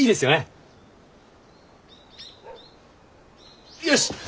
よし！